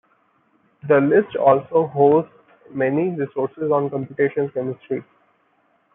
The list also hosts many resources on computational chemistry.